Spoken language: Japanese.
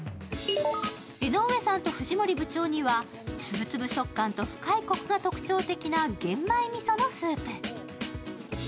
江上さんと藤森部長にはつぶつぶ食感と深いコクが特徴的な玄米みそのスープ。